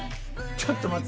ちょっと待って。